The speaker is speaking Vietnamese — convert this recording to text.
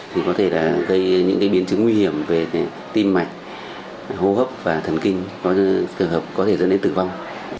thì có thể là gây những cái biến chứng nguy hiểm về tim mạch hô hấp và thần kinh có thể dẫn đến tử vong